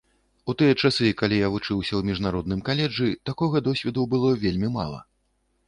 У тыя часы, калі я вучыўся ў міжнародным каледжы, такога досведу было вельмі мала.